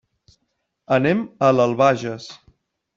Anem a l'Albagés.